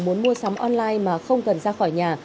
muốn mua sắm online mà không cần ra khỏi nhà